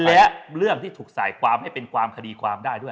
และเรื่องที่ถูกสายความให้เป็นความคดีความได้ด้วย